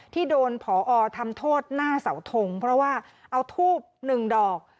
ที่โดนผอทำโทษหน้าเสาทงเพราะว่าเอาทูบหนึ่งดอก